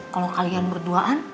kalo kalian berduaan